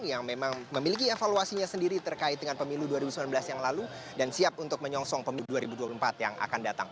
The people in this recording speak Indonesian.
yang memang memiliki evaluasinya sendiri terkait dengan pemilu dua ribu sembilan belas yang lalu dan siap untuk menyongsong pemilu dua ribu dua puluh empat yang akan datang